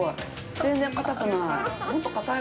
全然硬くない。